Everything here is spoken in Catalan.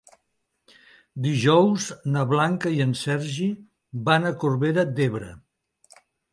Dijous na Blanca i en Sergi van a Corbera d'Ebre.